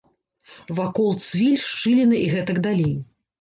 Вакол цвіль, шчыліны і гэтак далей.